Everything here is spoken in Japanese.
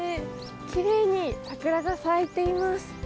きれいに桜が咲いています。